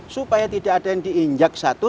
supaya tidak ada yang diinjak satu